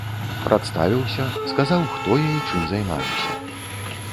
Прадставіўся, сказаў, хто я і чым займаюся.